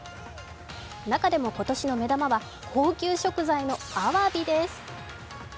中でも今年の目玉は高級食材のあわびです。